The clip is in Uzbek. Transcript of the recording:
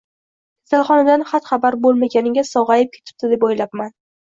Kasalxonadan xat-xabar bo`lmaganiga sog`ayib ketipti deb o`ylabman